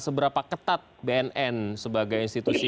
seberapa ketat bnn sebagai institusi